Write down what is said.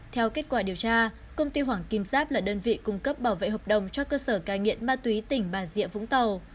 theo kết quả điều tra công ty hoàng kim giáp là đơn vị cung cấp bảo vệ hợp đồng cho cơ sở cai nghiện ma túy tỉnh bà rịa vũng tàu